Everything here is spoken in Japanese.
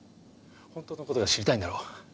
本当の事が知りたいんだろ？